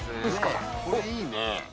これいいね。